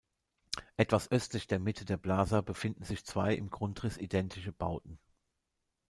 Etwas östlich der Mitte der Plaza befinden sich zwei im Grundriss identische Bauten.